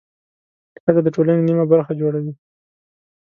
ښځه د ټولنې نیمه برخه جوړوي.